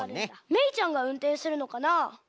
めいちゃんがうんてんするのかな？